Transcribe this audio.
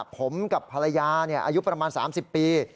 ผมกับภรรยาอายุประมาณ๓๐ปี